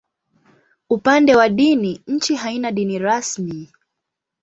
Upande wa dini, nchi haina dini rasmi.